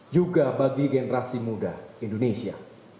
juga bagi generasi muda indonesia